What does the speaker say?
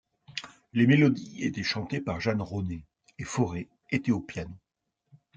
Les mélodies étaient chantées par Jeanne Raunay et Fauré était au piano.